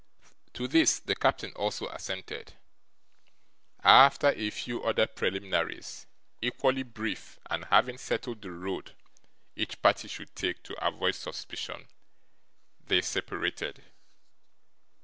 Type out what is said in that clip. To this the captain also assented. After a few other preliminaries, equally brief, and having settled the road each party should take to avoid suspicion, they separated.